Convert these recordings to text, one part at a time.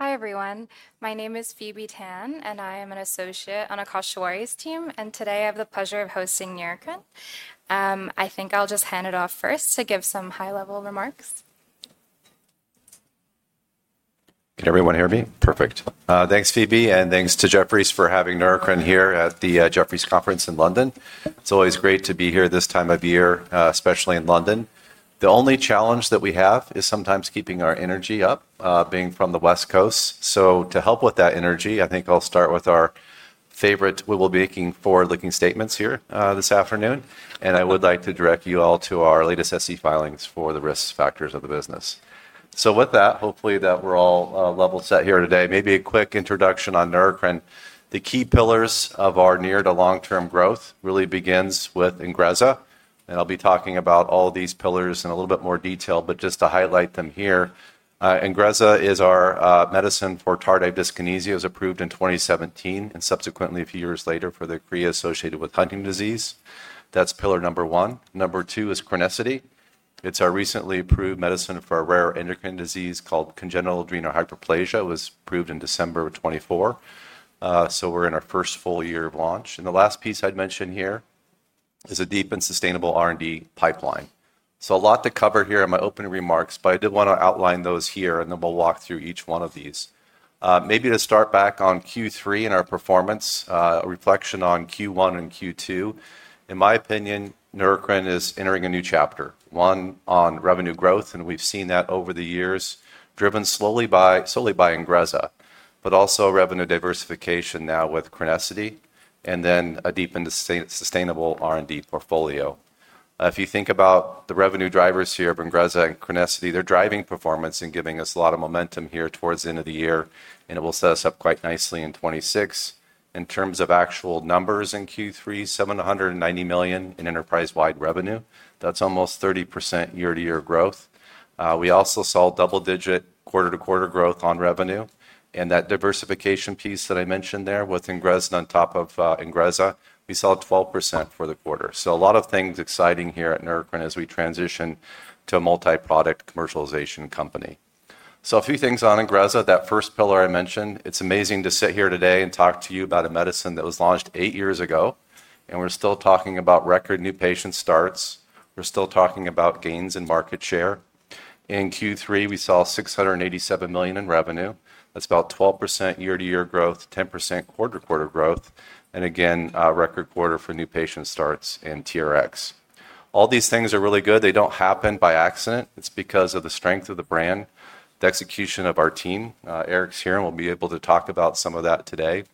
Hi everyone, my name is Phoebe Tan, and I am an associate on Akash Tewari's team. Today I have the pleasure of hosting Neurocrine. I think I'll just hand it off first to give some high-level remarks. Can everyone hear me? Perfect. Thanks, Phoebe, and thanks to Jefferies for having Neurocrine here at the Jefferies Conference in London. It's always great to be here this time of year, especially in London. The only challenge that we have is sometimes keeping our energy up, being from the West Coast. To help with that energy, I think I'll start with our favorite wibble-binking forward-looking statements here this afternoon. I would like to direct you all to our latest SEC filings for the risk factors of the business. With that, hopefully that we're all level set here today. Maybe a quick introduction on Neurocrine. The key pillars of our near to long-term growth really begin with Ingrezza. I'll be talking about all these pillars in a little bit more detail, but just to highlight them here. Ingrezza is our medicine for tardive dyskinesia, was approved in 2017, and subsequently a few years later for the chorea associated with Huntington's disease. That's pillar number one. Number two is Crinecerfont. It's our recently approved medicine for a rare endocrine disease called congenital adrenal hyperplasia. It was approved in December 2024. We are in our first full year of launch. The last piece I'd mention here is a deep and sustainable R&D pipeline. A lot to cover here in my opening remarks, but I did want to outline those here, and then we'll walk through each one of these. Maybe to start back on Q3 and our performance, a reflection on Q1 and Q2. In my opinion, Neurocrine is entering a new chapter, one on revenue growth, and we've seen that over the years, driven slowly by Ingrezza, but also revenue diversification now with chronicity, and then a deep and sustainable R&D portfolio. If you think about the revenue drivers here of Ingrezza and chronicity, they're driving performance and giving us a lot of momentum here towards the end of the year, and it will set us up quite nicely in 2026. In terms of actual numbers in Q3, $790 million in enterprise-wide revenue. That's almost 30% year-to-year growth. We also saw double-digit quarter-to-quarter growth on revenue. That diversification piece that I mentioned there with Ingrezza on top of Ingrezza, we saw 12% for the quarter. A lot of things exciting here at Neurocrine as we transition to a multi-product commercialization company. A few things on Ingrezza. That first pillar I mentioned, it's amazing to sit here today and talk to you about a medicine that was launched eight years ago, and we're still talking about record new patient starts. We're still talking about gains in market share. In Q3, we saw $687 million in revenue. That's about 12% year-to-year growth, 10% quarter-to-quarter growth, and again, record quarter for new patient starts in TRX. All these things are really good. They don't happen by accident. It's because of the strength of the brand, the execution of our team. Eric's here and will be able to talk about some of that today,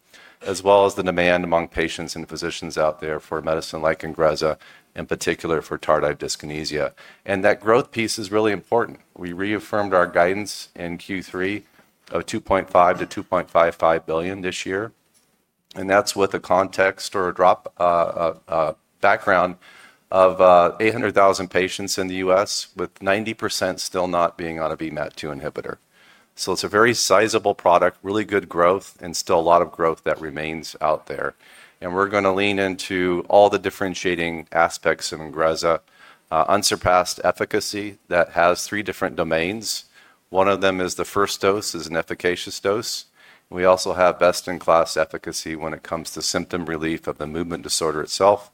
as well as the demand among patients and physicians out there for a medicine like Ingrezza, in particular for tardive dyskinesia. That growth piece is really important. We reaffirmed our guidance in Q3 of $2.5-$2.55 billion this year. That is with a context or a backdrop of 800,000 patients in the US, with 90% still not being on a VMAT2 inhibitor. It is a very sizable product, really good growth, and still a lot of growth that remains out there. We are going to lean into all the differentiating aspects of Ingrezza, unsurpassed efficacy that has three different domains. One of them is the first dose is an efficacious dose. We also have best-in-class efficacy when it comes to symptom relief of the movement disorder itself,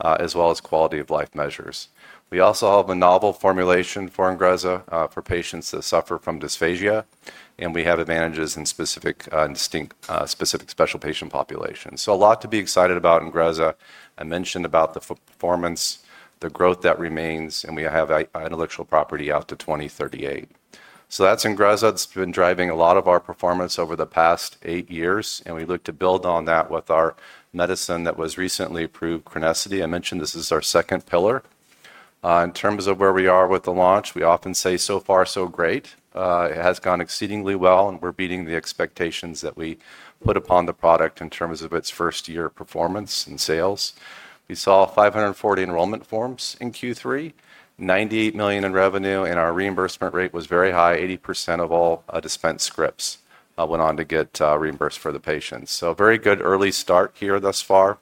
as well as quality of life measures. We also have a novel formulation for Ingrezza for patients that suffer from dysphagia, and we have advantages in specific special patient populations. There is a lot to be excited about Ingrezza. I mentioned the performance, the growth that remains, and we have intellectual property out to 2038. That's Ingrezza that's been driving a lot of our performance over the past eight years, and we look to build on that with our medicine that was recently approved, Crinecerfont. I mentioned this is our second pillar. In terms of where we are with the launch, we often say so far, so great. It has gone exceedingly well, and we're beating the expectations that we put upon the product in terms of its first-year performance and sales. We saw 540 enrollment forms in Q3, $98 million in revenue, and our reimbursement rate was very high. 80% of all dispensed scripts went on to get reimbursed for the patients. Very good early start here thus far.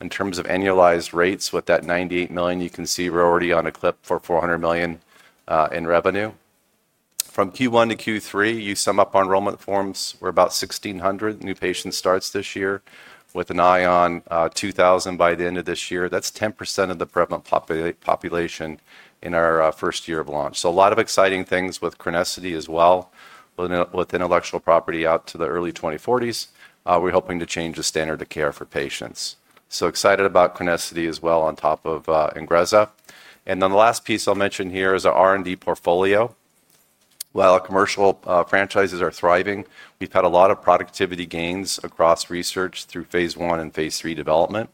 In terms of annualized rates, with that $98 million, you can see we're already on a clip for $400 million in revenue. From Q1 to Q3, you sum up our enrollment forms. We're about 1,600 new patient starts this year, with an eye on 2,000 by the end of this year. That's 10% of the prevalent population in our first year of launch. A lot of exciting things with Crinecerfont as well. With intellectual property out to the early 2040s, we're hoping to change the standard of care for patients. Excited about Crinecerfont as well on top of Ingrezza. The last piece I'll mention here is our R&D portfolio. While our commercial franchises are thriving, we've had a lot of productivity gains across research through phase one and phase three development.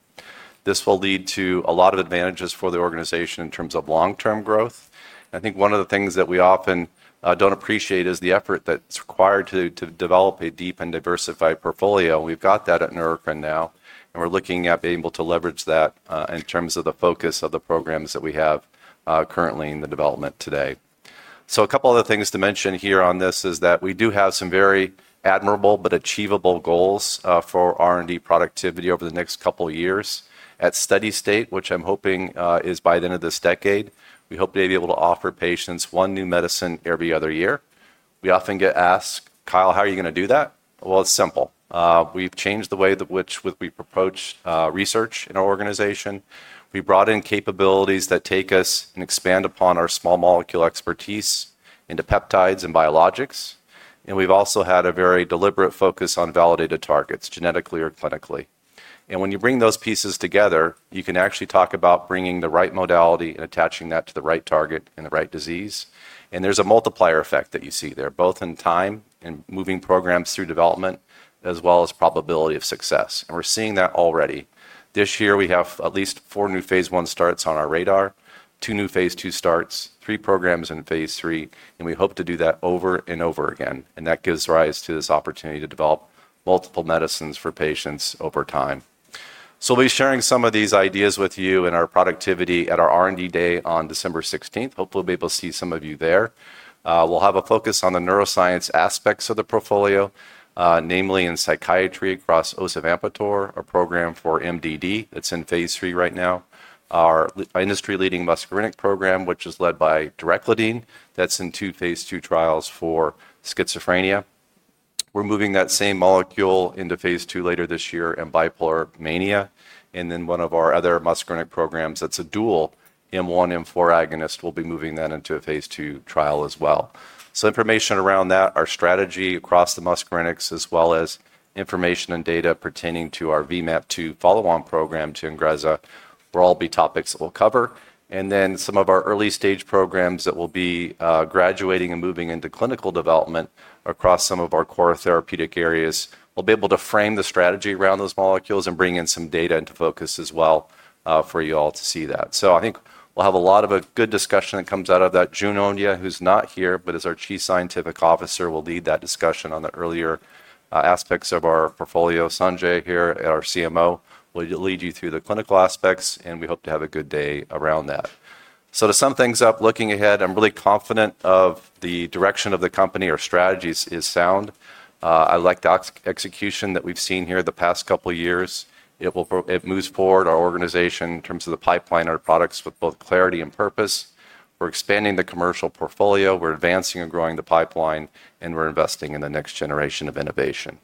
This will lead to a lot of advantages for the organization in terms of long-term growth. I think one of the things that we often don't appreciate is the effort that's required to develop a deep and diversified portfolio. We've got that at Neurocrine now, and we're looking at being able to leverage that in terms of the focus of the programs that we have currently in the development today. A couple other things to mention here on this is that we do have some very admirable but achievable goals for R&D productivity over the next couple of years at steady state, which I'm hoping is by the end of this decade. We hope to be able to offer patients one new medicine every other year. We often get asked, "Kyle, how are you going to do that?" It's simple. We've changed the way in which we've approached research in our organization. We brought in capabilities that take us and expand upon our small molecule expertise into peptides and biologics. We've also had a very deliberate focus on validated targets, genetically or clinically. When you bring those pieces together, you can actually talk about bringing the right modality and attaching that to the right target and the right disease. There's a multiplier effect that you see there, both in time and moving programs through development, as well as probability of success. We're seeing that already. This year, we have at least four new phase one starts on our radar, two new phase two starts, three programs in phase three, and we hope to do that over and over again. That gives rise to this opportunity to develop multiple medicines for patients over time. We'll be sharing some of these ideas with you and our productivity at our R&D day on December 16. Hopefully, we'll be able to see some of you there. We'll have a focus on the neuroscience aspects of the portfolio, namely in psychiatry across Ozevampitor, our program for MDD that's in phase three right now, our industry-leading muscarinic program, which is led by Direcladine, that's in two phase two trials for schizophrenia. We're moving that same molecule into phase two later this year in bipolar mania. One of our other muscarinic programs that's a dual M1, M4 agonist will be moving that into a phase two trial as well. Information around that, our strategy across the muscarinics, as well as information and data pertaining to our VMAT2 follow-on program to Ingrezza, will all be topics that we'll cover. Some of our early-stage programs that will be graduating and moving into clinical development across some of our core therapeutic areas. We'll be able to frame the strategy around those molecules and bring in some data into focus as well for you all to see that. I think we'll have a lot of a good discussion that comes out of that. Jude Onyia, who's not here, but is our Chief Scientific Officer, will lead that discussion on the earlier aspects of our portfolio. Sanjay here, our Chief Medical Officer, will lead you through the clinical aspects, and we hope to have a good day around that. To sum things up, looking ahead, I'm really confident of the direction of the company. Our strategy is sound. I like the execution that we've seen here the past couple of years. It moves forward our organization in terms of the pipeline and our products with both clarity and purpose. We're expanding the commercial portfolio. We're advancing and growing the pipeline, and we're investing in the next generation of innovation.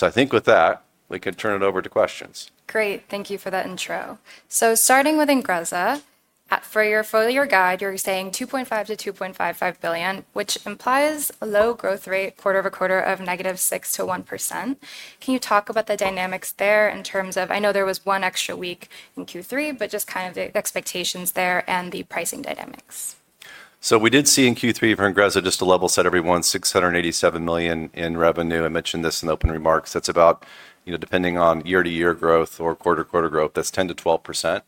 I think with that, we can turn it over to questions. Great. Thank you for that intro. Starting with Ingrezza, for your full year guide, you're saying $2.5 to $2.55 billion, which implies a low growth rate, quarter-over-quarter of negative 6% to 1%. Can you talk about the dynamics there in terms of, I know there was one extra week in Q3, but just kind of the expectations there and the pricing dynamics? We did see in Q3 for Ingrezza, just to level set everyone, $687 million in revenue. I mentioned this in the opening remarks. That's about, depending on year-to-year growth or quarter-to-quarter growth, that's 10-12%.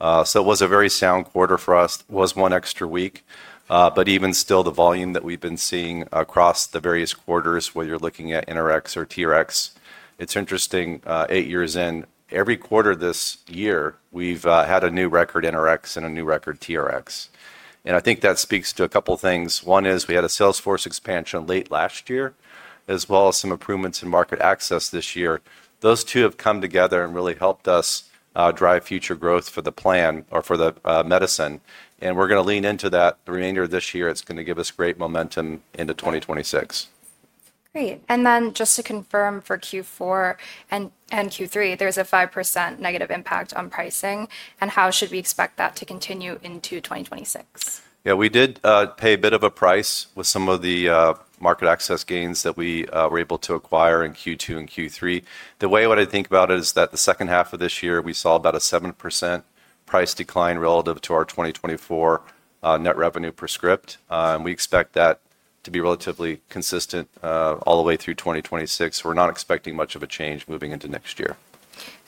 It was a very sound quarter for us, was one extra week. Even still, the volume that we've been seeing across the various quarters, whether you're looking at NRX or TRX, it's interesting, eight years in, every quarter this year, we've had a new record NRX and a new record TRX. I think that speaks to a couple of things. One is we had a Salesforce expansion late last year, as well as some improvements in market access this year. Those two have come together and really helped us drive future growth for the plan or for the medicine. We're going to lean into that the remainder of this year. It's going to give us great momentum into 2026. Great. Just to confirm for Q4 and Q3, there's a 5% negative impact on pricing. How should we expect that to continue into 2026? Yeah, we did pay a bit of a price with some of the market access gains that we were able to acquire in Q2 and Q3. The way what I think about it is that the second half of this year, we saw about a 7% price decline relative to our 2024 net revenue per script. And we expect that to be relatively consistent all the way through 2026. We're not expecting much of a change moving into next year.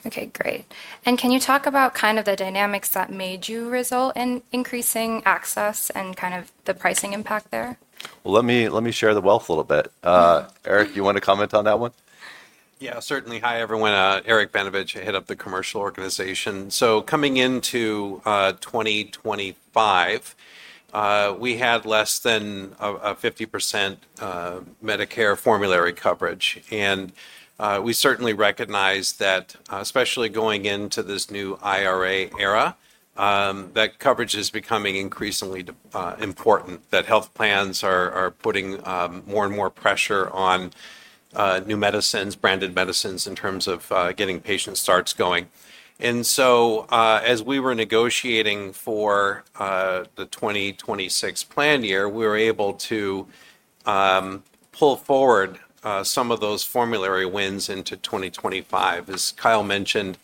Okay, great. Can you talk about kind of the dynamics that made you result in increasing access and kind of the pricing impact there? Let me share the wealth a little bit. Eric, you want to comment on that one? Yeah, certainly. Hi, everyone. Eric Benevich, Head of the Commercial Organization. Coming into 2025, we had less than 50% Medicare formulary coverage. We certainly recognize that, especially going into this new IRA era, coverage is becoming increasingly important, that health plans are putting more and more pressure on new medicines, branded medicines in terms of getting patient starts going. As we were negotiating for the 2026 plan year, we were able to pull forward some of those formulary wins into 2025. As Kyle mentioned,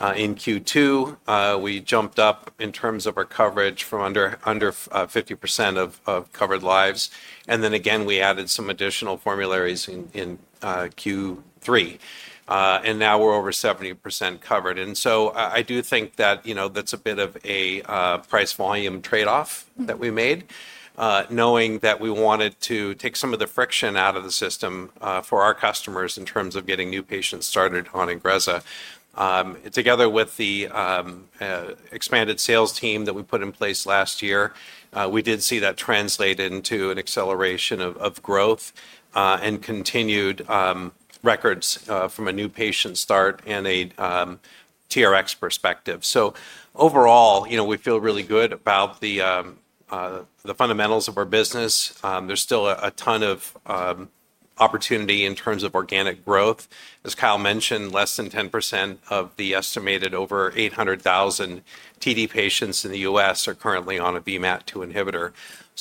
in Q2, we jumped up in terms of our coverage from under 50% of covered lives. Then again, we added some additional formularies in Q3. Now we are over 70% covered. I do think that that's a bit of a price-volume trade-off that we made, knowing that we wanted to take some of the friction out of the system for our customers in terms of getting new patients started on Ingrezza. Together with the expanded sales team that we put in place last year, we did see that translate into an acceleration of growth and continued records from a new patient start and a TRX perspective. Overall, we feel really good about the fundamentals of our business. There's still a ton of opportunity in terms of organic growth. As Kyle mentioned, less than 10% of the estimated over 800,000 TD patients in the U.S. are currently on a VMAT2 inhibitor.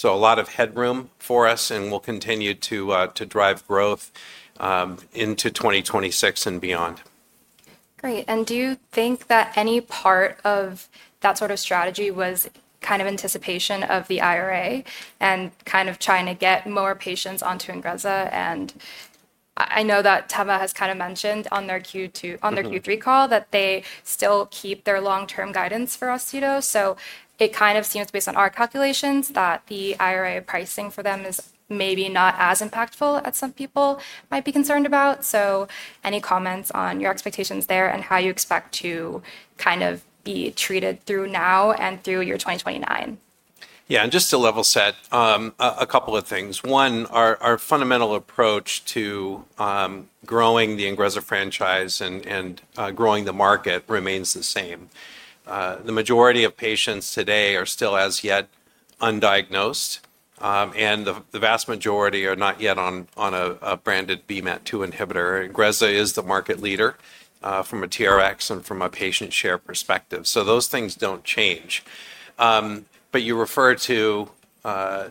A lot of headroom for us, and we'll continue to drive growth into 2026 and beyond. Great. Do you think that any part of that sort of strategy was kind of anticipation of the IRA and kind of trying to get more patients onto Ingrezza? I know that Teva has kind of mentioned on their Q3 call that they still keep their long-term guidance for Austedo. It kind of seems based on our calculations that the IRA pricing for them is maybe not as impactful as some people might be concerned about. Any comments on your expectations there and how you expect to kind of be treated through now and through your 2029? Yeah, and just to level set, a couple of things. One, our fundamental approach to growing the Ingrezza franchise and growing the market remains the same. The majority of patients today are still as yet undiagnosed, and the vast majority are not yet on a branded VMAT2 inhibitor. Ingrezza is the market leader from a TRX and from a patient share perspective. Those things do not change. You refer to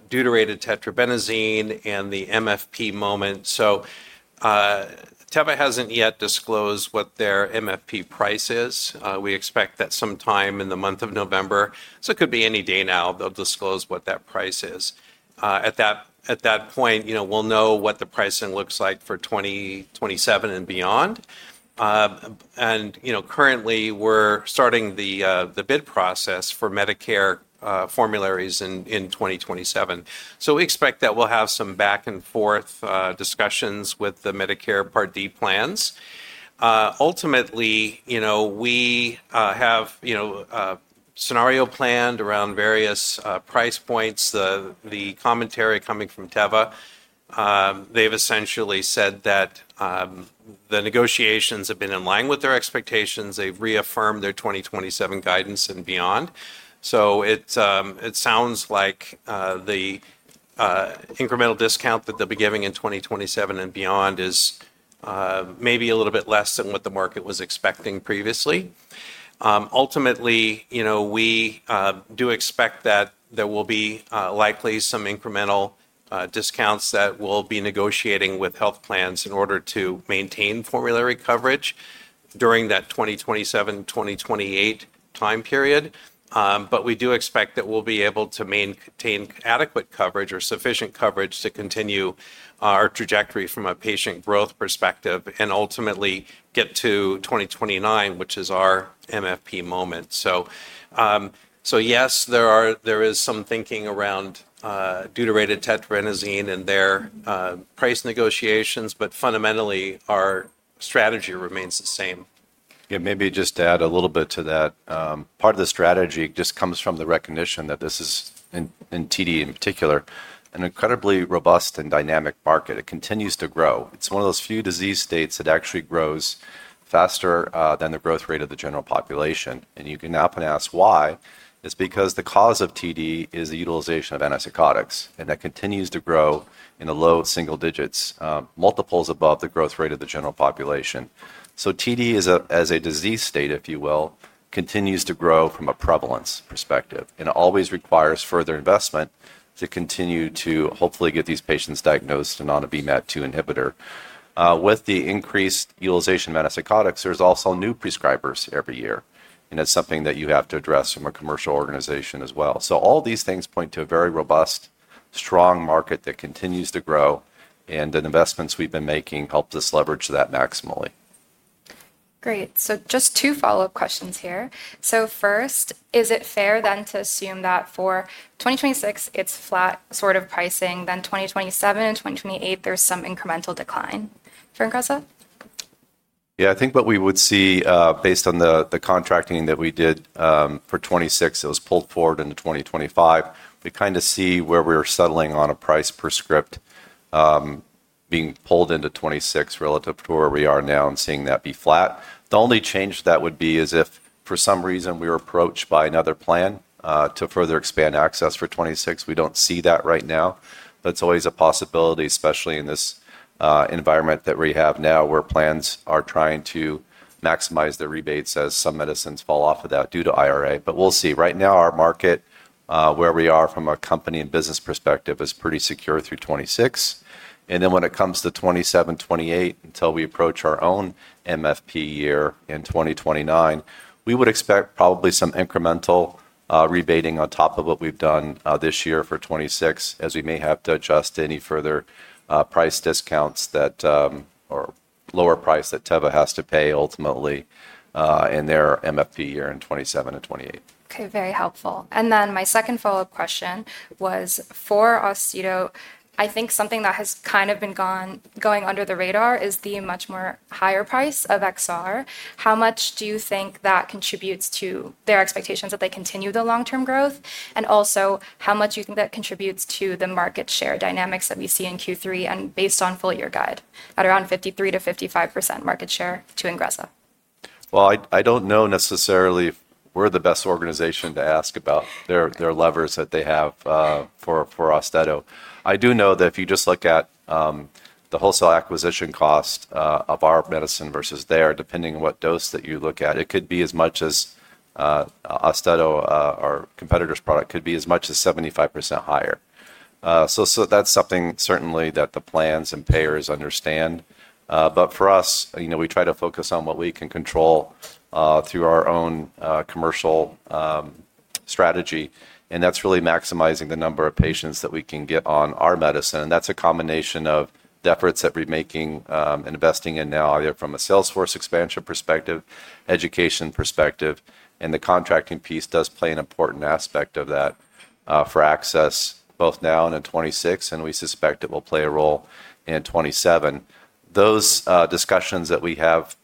deuterated tetrabenazine and the MFP moment. Teva has not yet disclosed what their MFP price is. We expect that sometime in the month of November. It could be any day now they will disclose what that price is. At that point, we will know what the pricing looks like for 2027 and beyond. Currently, we are starting the bid process for Medicare formularies in 2027. We expect that we will have some back-and-forth discussions with the Medicare Part D plans. Ultimately, we have a scenario planned around various price points. The commentary coming from Teva, they've essentially said that the negotiations have been in line with their expectations. They've reaffirmed their 2027 guidance and beyond. It sounds like the incremental discount that they'll be giving in 2027 and beyond is maybe a little bit less than what the market was expecting previously. Ultimately, we do expect that there will be likely some incremental discounts that we'll be negotiating with health plans in order to maintain formulary coverage during that 2027-2028 time period. We do expect that we'll be able to maintain adequate coverage or sufficient coverage to continue our trajectory from a patient growth perspective and ultimately get to 2029, which is our MFP moment. Yes, there is some thinking around deuterated tetrabenazine and their price negotiations, but fundamentally, our strategy remains the same. Yeah, maybe just to add a little bit to that. Part of the strategy just comes from the recognition that this is, in TD in particular, an incredibly robust and dynamic market. It continues to grow. It's one of those few disease states that actually grows faster than the growth rate of the general population. You can happen to ask why. It's because the cause of TD is the utilization of antipsychotics, and that continues to grow in the low single digits, multiples above the growth rate of the general population. TD, as a disease state, if you will, continues to grow from a prevalence perspective. It always requires further investment to continue to hopefully get these patients diagnosed and on a VMAT2 inhibitor. With the increased utilization of antipsychotics, there's also new prescribers every year. That is something that you have to address from a commercial organization as well. All these things point to a very robust, strong market that continues to grow. The investments we have been making help us leverage that maximally. Great. Just two follow-up questions here. First, is it fair then to assume that for 2026, it is flat sort of pricing, then 2027, 2028, there is some incremental decline for Ingrezza? Yeah, I think what we would see based on the contracting that we did for 2026, it was pulled forward into 2025. We kind of see where we're settling on a price per script being pulled into 2026 relative to where we are now and seeing that be flat. The only change that would be is if for some reason we were approached by another plan to further expand access for 2026. We do not see that right now. That is always a possibility, especially in this environment that we have now, where plans are trying to maximize their rebates as some medicines fall off of that due to IRA. We will see. Right now, our market, where we are from a company and business perspective, is pretty secure through 2026. When it comes to 2027, 2028, until we approach our own MFP year in 2029, we would expect probably some incremental rebating on top of what we have done this year for 2026, as we may have to adjust any further price discounts or lower price that Teva has to pay ultimately in their MFP year in 2027 and 2028. Okay, very helpful. My second follow-up question was for Austedo. I think something that has kind of been going under the radar is the much more higher price of XR. How much do you think that contributes to their expectations that they continue the long-term growth? Also, how much do you think that contributes to the market share dynamics that we see in Q3 and based on foliar guide at around 53%-55% market share to Ingrezza? I do not know necessarily if we are the best organization to ask about their levers that they have for Austedo. I do know that if you just look at the wholesale acquisition cost of our medicine versus theirs, depending on what dose that you look at, it could be as much as Austedo, our competitor's product, could be as much as 75% higher. That is something certainly that the plans and payers understand. For us, we try to focus on what we can control through our own commercial strategy. That is really maximizing the number of patients that we can get on our medicine. That is a combination of the efforts that we are making and investing in now, either from a Salesforce expansion perspective or education perspective. The contracting piece does play an important aspect of that for access both now and in 2026. We suspect it will play a role in 2027. Those discussions that we have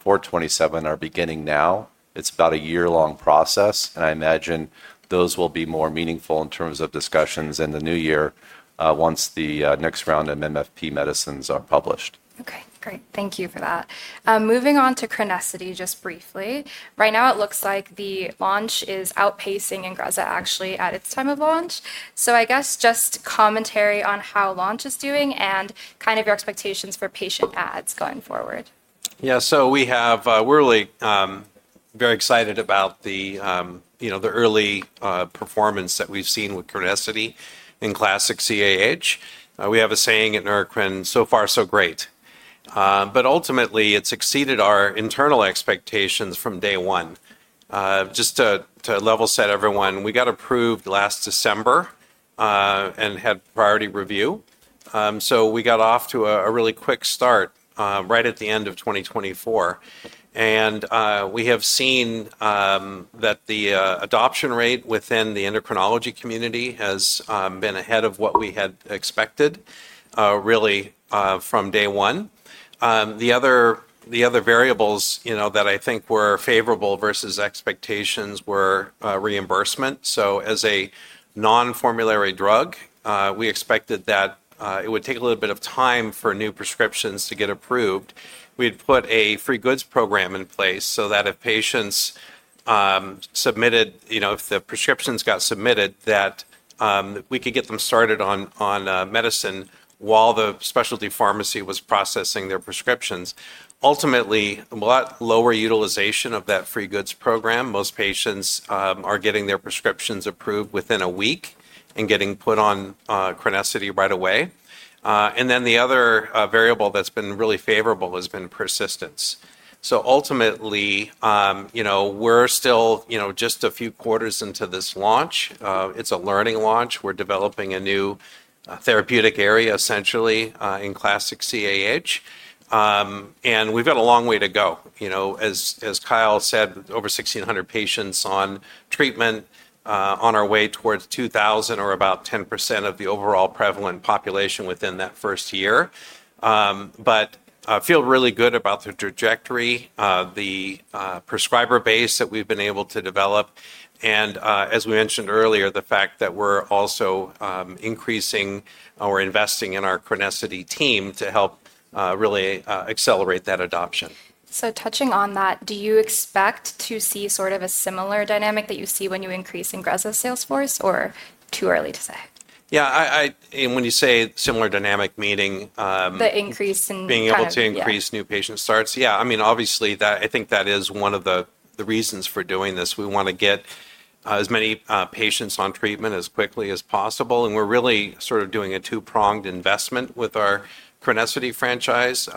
for 2027 are beginning now. It's about a year-long process. I imagine those will be more meaningful in terms of discussions in the new year once the next round of MFP medicines are published. Okay, great. Thank you for that. Moving on to CRENESSITY just briefly. Right now, it looks like the launch is outpacing Ingrezza, actually, at its time of launch. So I guess just commentary on how launch is doing and kind of your expectations for patient ads going forward. Yeah, so we're really very excited about the early performance that we've seen with CRENESSITY in classic CAH. We have a saying at Neurocrine, "So far, so great." It has exceeded our internal expectations from day one. Just to level set everyone, we got approved last December and had priority review. We got off to a really quick start right at the end of 2023. We have seen that the adoption rate within the endocrinology community has been ahead of what we had expected, really, from day one. The other variables that I think were favorable versus expectations were reimbursement. As a non-formulary drug, we expected that it would take a little bit of time for new prescriptions to get approved. We'd put a free goods program in place so that if patients submitted, if the prescriptions got submitted, that we could get them started on medicine while the specialty pharmacy was processing their prescriptions. Ultimately, a lot lower utilization of that free goods program. Most patients are getting their prescriptions approved within a week and getting put on Crinecerfont right away. The other variable that's been really favorable has been persistence. Ultimately, we're still just a few quarters into this launch. It's a learning launch. We're developing a new therapeutic area, essentially, in classic CAH. We've got a long way to go. As Kyle said, over 1,600 patients on treatment, on our way towards 2,000 or about 10% of the overall prevalent population within that first year. I feel really good about the trajectory, the prescriber base that we've been able to develop. As we mentioned earlier, the fact that we're also increasing or investing in our CRENESSITY team to help really accelerate that adoption. Touching on that, do you expect to see sort of a similar dynamic that you see when you increase Ingrezza Salesforce or too early to say? Yeah, and when you say similar dynamic, meaning. The increase in. Being able to increase new patient starts. Yeah, I mean, obviously, I think that is one of the reasons for doing this. We want to get as many patients on treatment as quickly as possible. We're really sort of doing a two-pronged investment with our CRENESSITY franchise.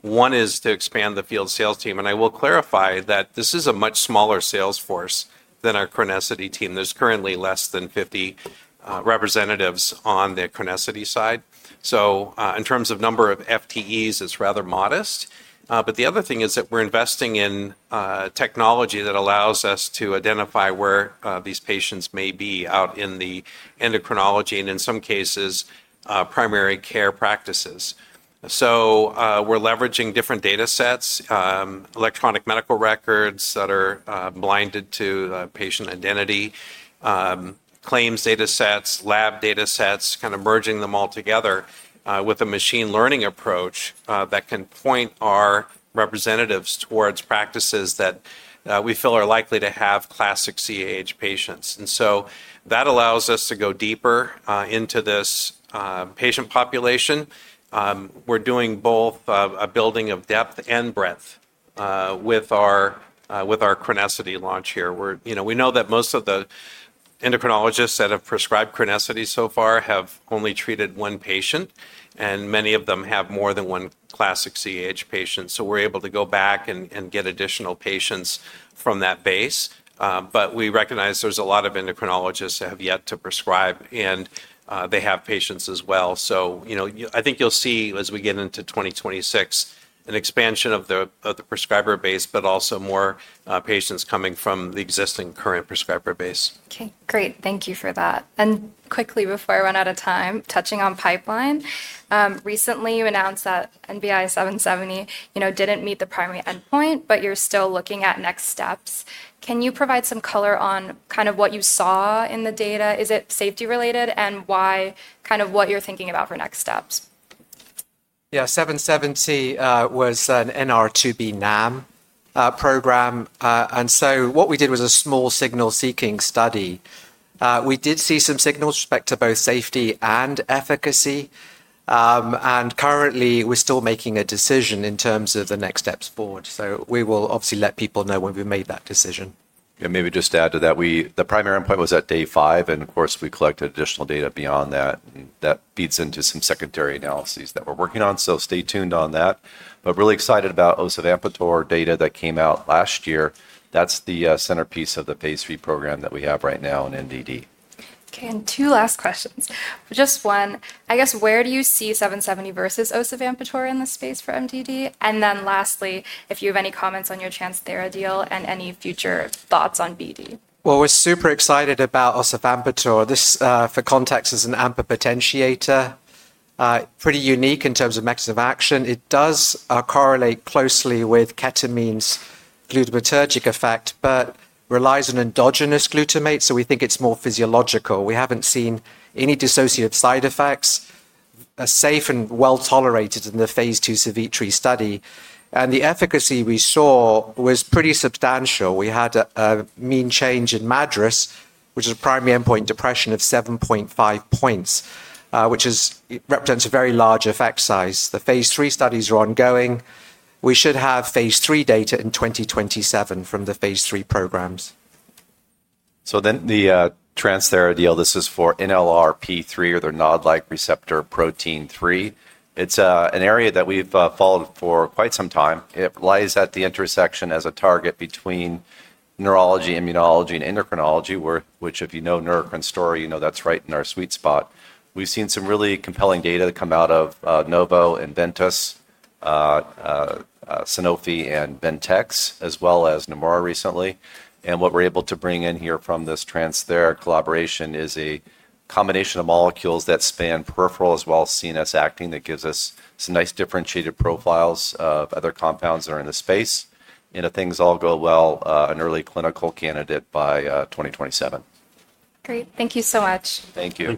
One is to expand the field sales team. I will clarify that this is a much smaller sales force than our CRENESSITY team. There are currently less than 50 representatives on the CRENESSITY side. In terms of number of FTEs, it's rather modest. The other thing is that we're investing in technology that allows us to identify where these patients may be out in the endocrinology and in some cases, primary care practices. We're leveraging different data sets, electronic medical records that are blinded to patient identity, claims data sets, lab data sets, kind of merging them all together with a machine learning approach that can point our representatives towards practices that we feel are likely to have classic CAH patients. That allows us to go deeper into this patient population. We're doing both a building of depth and breadth with our CRENESSITY launch here. We know that most of the endocrinologists that have prescribed CRENESSITY so far have only treated one patient, and many of them have more than one classic CAH patient. We're able to go back and get additional patients from that base. We recognize there's a lot of endocrinologists that have yet to prescribe, and they have patients as well. I think you'll see as we get into 2026, an expansion of the prescriber base, but also more patients coming from the existing current prescriber base. Okay, great. Thank you for that. Quickly, before I run out of time, touching on pipeline. Recently, you announced that NBI-770 did not meet the primary endpoint, but you are still looking at next steps. Can you provide some color on kind of what you saw in the data? Is it safety-related and why kind of what you are thinking about for next steps? Yeah, 770 was an NR2B NAM program. What we did was a small signal-seeking study. We did see some signals with respect to both safety and efficacy. Currently, we're still making a decision in terms of the next steps forward. We will obviously let people know when we've made that decision. Yeah, maybe just to add to that, the primary endpoint was at day five. Of course, we collected additional data beyond that. That feeds into some secondary analyses that we're working on. Stay tuned on that. Really excited about Ozevampitor data that came out last year. That's the centerpiece of the phase three program that we have right now in MDD. Okay, and two last questions. Just one, I guess, where do you see 770 versus Ozevampitor in the space for MDD? And then lastly, if you have any comments on your chance there ideal and any future thoughts on BD? We are super excited about Ozevampitor. This, for context, is an AMPA potentiator. Pretty unique in terms of mechanism of action. It does correlate closely with ketamine's glutamatergic effect, but relies on endogenous glutamate. We think it is more physiological. We have not seen any dissociative side effects. Safe and well tolerated in the phase two CVTRI study. The efficacy we saw was pretty substantial. We had a mean change in MADRS, which is a primary endpoint depression of 7.5 points, which represents a very large effect size. The phase three studies are ongoing. We should have phase three data in 2027 from the phase three programs. The transferi ideal, this is for NLRP3 or the NOD-like receptor protein 3. It's an area that we've followed for quite some time. It lies at the intersection as a target between neurology, immunology, and endocrinology, which if you know Neurocrine's story, you know that's right in our sweet spot. We've seen some really compelling data come out of Novo Nordisk and Ventyx, Sanofi, and Ventx, as well as Nimbus recently. What we're able to bring in here from this transferi collaboration is a combination of molecules that span peripheral as well as CNS acting that gives us some nice differentiated profiles of other compounds that are in the space. If things all go well, an early clinical candidate by 2027. Great. Thank you so much. Thank you.